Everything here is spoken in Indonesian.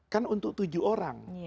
kan untuk tujuh orang